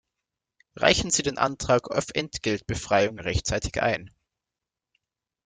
Reichen Sie den Antrag auf Entgeltbefreiung rechtzeitig ein!